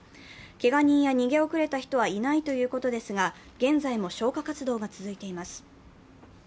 けが人や逃げ遅れた人はいないとのことですが、現在も消火活動が続いています。